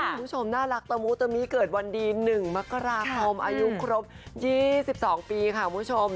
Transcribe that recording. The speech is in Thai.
คุณผู้ชมน่ารักตะมูตะมิเกิดวันดี๑มกราคมอายุครบ๒๒ปีค่ะคุณผู้ชม